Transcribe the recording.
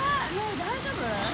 大丈夫？